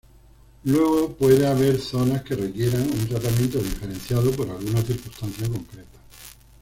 Luego pude haber zonas que requieran un tratamiento diferenciado por alguna circunstancia concreta.